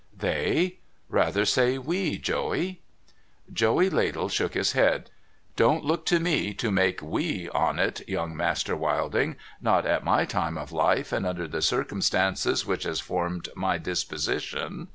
' They ? Rather say we, Joey.' Joey Ladle shook his head. ' Don't look to me to make we on it. Young Master Wilding, not at my time of life and under the circumstarnces which has formed my disposition.